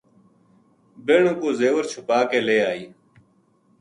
بہناں کو زیور چھُپا کے لے آئی